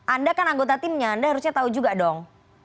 anda kan anggota timnya anda harusnya tahu juga dong